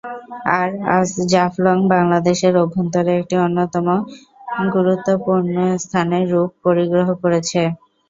আর আজ জাফলং বাংলাদেশের অভ্যন্তরে একটি অন্যতম গুরুত্বপূর্ণ স্থানের রূপ পরিগ্রহ করেছে।